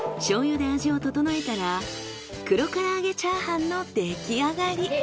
醤油で味を調えたら黒から揚げチャーハンの出来上がり。